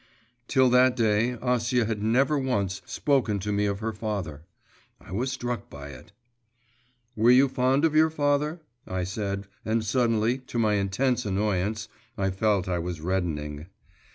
Till that day Acia had never once spoken to me of her father. I was struck by it. 'Were you fond of your father?' I said, and suddenly, to my intense annoyance, I felt I was reddening.